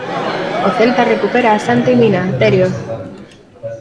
O Celta recupera a Santi Mina, Terio.